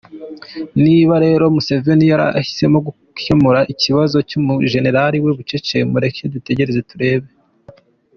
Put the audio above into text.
Niba rero Museveni yarahisemo gukemura ikibazo cy’umujenerali we bucece, mureke dutegereze turebe.